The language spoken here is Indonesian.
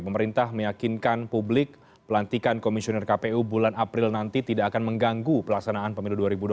pemerintah meyakinkan publik pelantikan komisioner kpu bulan april nanti tidak akan mengganggu pelaksanaan pemilu dua ribu dua puluh